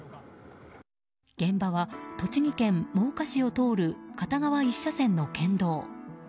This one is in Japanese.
現場は栃木県真岡市を通る片側１車線の県道。